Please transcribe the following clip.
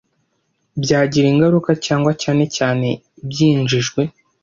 Byagira ingaruka, cyangwa cyane cyane, byinjijwe